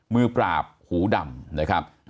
มือปราบหูดำ